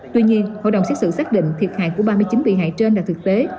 tuy nhiên hội đồng xét xử xác định thiệt hại của ba mươi chín bị hại trên là thực tế